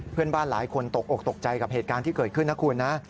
เพื่อนบ้านหลายคนตกอกตกใจกับเหตุการณ์ที่เกิดขึ้นนะคุณนะ